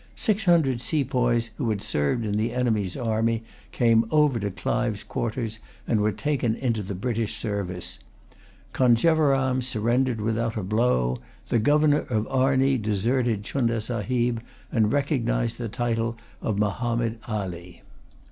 Six hundred sepoys, who had served in the enemy's army, came over to Clive's quarters, and were taken into the British service. Conjeveram surrendered without a blow. The governor of Arnee deserted Chunda Sahib, and recognised the title of Mahommed Ali.